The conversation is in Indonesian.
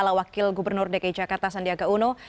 ala wakil gubernur dki jakarta sandiaga uno